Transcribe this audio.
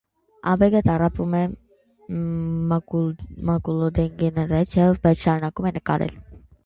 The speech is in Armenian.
Աբեգը տառապում է մակուլոդեգեներացիայով, բայց շարունակում է նկարել։